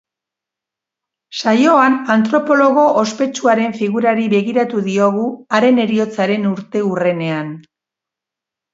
Saioan antropologo ospetsuaren figurari begiratu diogu haren heriotzaren urteurrenean.